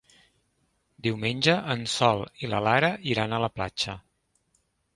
Diumenge en Sol i na Lara iran a la platja.